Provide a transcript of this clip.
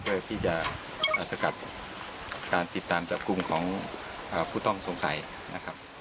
เพื่อที่จะสกัดการติดตามจับกลุ่มของผู้ต้องสงสัยนะครับ